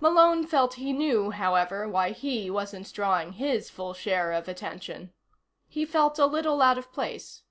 Malone felt he knew, however, why he wasn't drawing his full share of attention. He felt a little out of place.